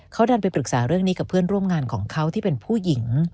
เขาดันไปปรึกษาเรื่องนี้กับเพื่อนร่วมงานของเขาที่เป็นผู้หญิง